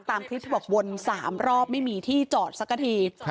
ตามคลิปที่บอกวน๓รอบไม่มีที่จอดสักที